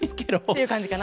いうかんじかな。